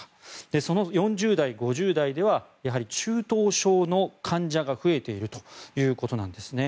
その４０代、５０代ではやはり中等症の患者が増えているということなんですね。